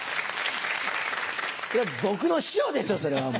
僕の師匠でしょそれは。